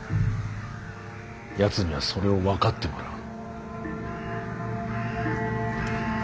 やつにはそれを分かってもらう。